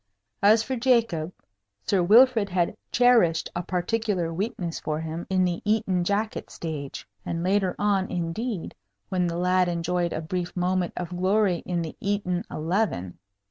As for Jacob, Sir Wilfrid had cherished a particular weakness for him in the Eton jacket stage, and later on, indeed, when the lad enjoyed a brief moment of glory in the Eton eleven.